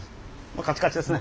カチカチですね。